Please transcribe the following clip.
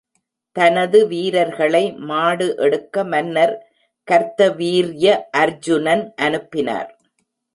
தனது வீரர்களை மாடு எடுக்க மன்னர் கர்த்தவீர்ய அர்ஜுனன் அனுப்பினார்.